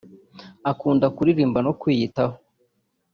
Akunda kurimba no kwiyitaho